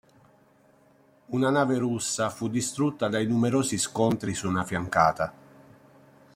Una nave russa fu distrutta dai numerosi scontri su una fiancata.